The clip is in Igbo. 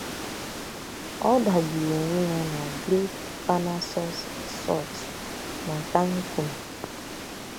Ọ dagburu onwe ya na Great Parnassus Resort na Cancun